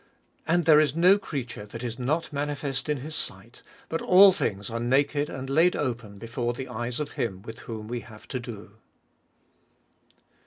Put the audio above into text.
13. And there is no creature that is not manifest in his sight: but all things are naked and laid open before the eyes of him with whom we have to do.